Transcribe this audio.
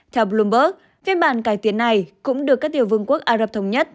theo bloomberg phiên bản cải tiến này cũng được các tiểu vương quốc ả rập thống nhất